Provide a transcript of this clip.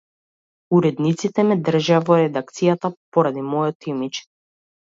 Уредниците ме држеа во редакцијата поради мојот имиџ.